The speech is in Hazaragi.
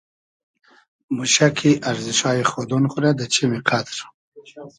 موشۂ کی ارزیشایی خودۉن خو رۂ دۂ چیمی قئدر